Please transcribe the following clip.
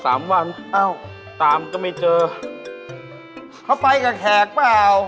อ้าวทำไมหรอ